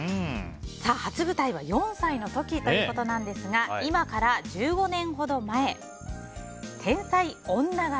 初舞台は４歳の時ということなんですが今から１５年ほど前、天才女形